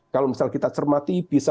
kalau misalnya kita cermati bisa